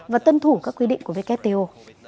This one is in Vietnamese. và tân thủ các quy định của wto